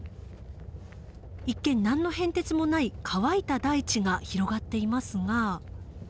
一見何の変哲もない乾いた大地が広がっていますが。